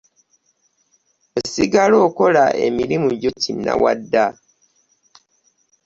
Osigala okola emirimu gyo kinnawadda.